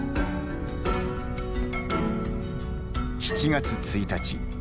７月１日。